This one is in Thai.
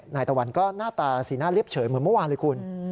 ตะวันก็หน้าตาสีหน้าเรียบเฉยเหมือนเมื่อวานเลยคุณ